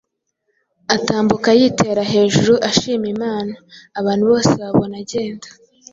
atambuka yitera hejuru, ashima Imana. Abantu bose bobona agenda,